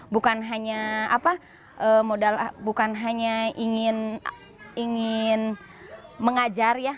bukan hanya ingin mengajar ya